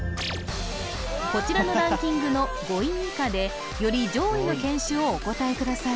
こちらのランキングの５位以下でより上位の犬種をお答えください